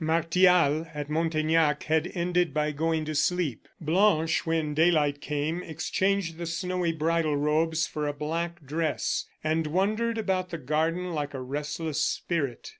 Martial, at Montaignac, had ended by going to sleep. Blanche, when daylight came, exchanged the snowy bridal robes for a black dress, and wandered about the garden like a restless spirit.